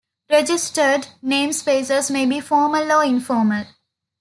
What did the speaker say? Registered namespaces may be "formal" or "informal".